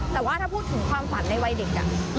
ตัวมาแล้วได้ทำข่าวปันทางนี่ไง